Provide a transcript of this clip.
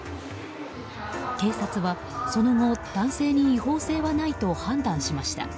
警察はその後、男性に違法性はないと判断しました。